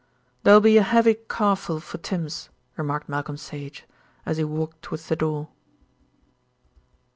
"There'll be a heavy car full for Tims," remarked Malcolm Sage, as he walked towards the door.